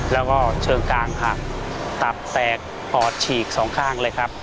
แล้วก็เชิงกลางหักตับแตกปอดฉีกสองข้างเลยครับ